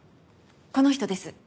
この人です。